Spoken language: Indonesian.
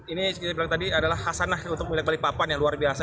ini seperti bilang tadi adalah hasanah untuk milik balikpapan yang luar biasa